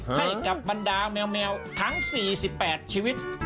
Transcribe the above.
ให้กับบรรดาแมวทั้ง๔๘ชีวิต